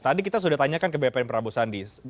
tadi kita sudah tanyakan ke bpn prabowo sandi